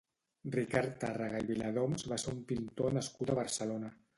Ricard Tàrrega i Viladoms va ser un pintor nascut a Barcelona.